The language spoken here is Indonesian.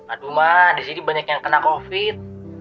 aduh mah disini banyak yang kena covid